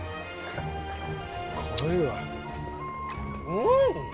うん！